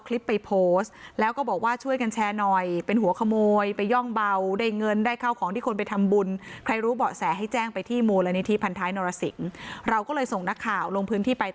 คุณผู้ชมค่ะคนเหล่านี่ก็ช่างกล้า